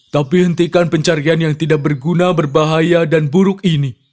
tapi hentikan pencarian yang tidak berguna berbahaya dan buruk ini